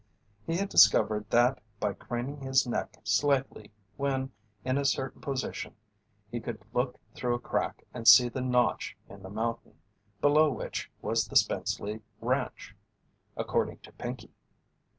He had discovered that by craning his neck slightly when in a certain position he could look through a crack and see the notch in the mountain, below which was the Spenceley ranch, according to Pinkey.